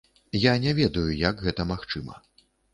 Я не ведаю, як гэта магчыма.